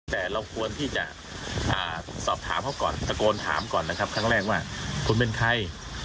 แต่เราควรที่จะสอบถามเขาก่อนตะโกนถามก่อนนะครับครั้งแรกว่าคุณเป็นใคร